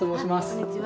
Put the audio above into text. こんにちは。